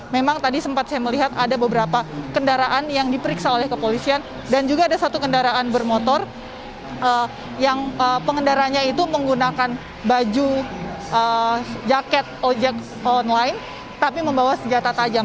memang tadi sempat saya melihat ada beberapa kendaraan yang diperiksa oleh kepolisian dan juga ada satu kendaraan bermotor yang pengendaranya itu menggunakan baju jaket ojek online tapi membawa senjata tajam